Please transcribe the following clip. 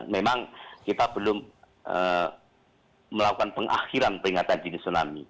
memang kita belum melakukan pengakhiran peringatan dini tsunami